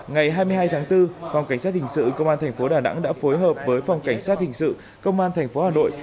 ngày hai mươi hai tháng bốn phòng cảnh sát hình sự công an thành phố đà nẵng đã phối hợp với phòng cảnh sát hình sự công an tp hà nội